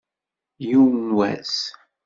Yiwen n wass.